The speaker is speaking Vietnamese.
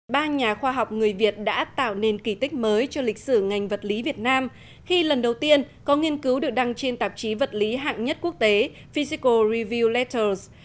ba nhà khoa học người việt đã tạo nên kỳ tích mới cho lịch sử ngành vật lý việt nam khi lần đầu tiên có nghiên cứu được đăng trên tạp chí vật lý hạng nhất quốc tế fisico review letters